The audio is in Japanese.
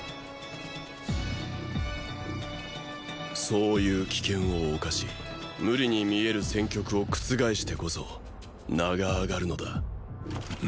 そういう危険を冒し無理に見える戦局を覆してこそ名があがるのだ。！